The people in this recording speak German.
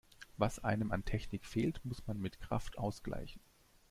Was einem an Technik fehlt, muss man mit Kraft ausgleichen.